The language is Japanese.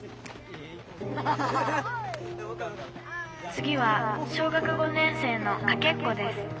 「次は小学５年生のかけっこです。